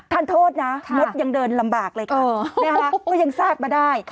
ท่านโทษนะมดยังเดินลำบากเลยค่ะก็ยังซากมาได้